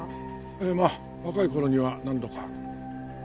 ええまあ若い頃には何度か。